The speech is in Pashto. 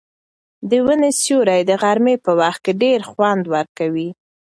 د ونې سیوری د غرمې په وخت کې ډېر خوند ورکوي.